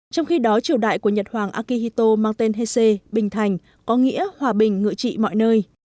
trong khi đó triều đại của nhật hoàng akihito mang tên heisei có nghĩa hòa bình ngựa trị mọi nơi